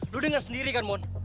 lo denger sendiri kan mon